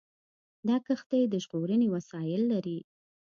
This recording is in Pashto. دا کښتۍ د ژغورنې وسایل لري.